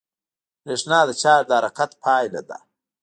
برېښنا د چارج د حرکت پایله ده.